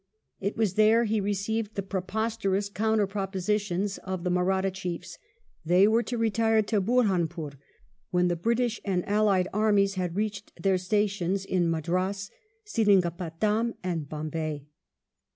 It was there he received the preposterous counter propositions of the Mahratta chiefs — they were to retire to Burhanpore when the British and allied armies had reached their stations in Madras, Seringapatam, and Bombay.